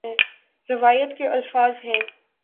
روایت کے الفاظ ہیں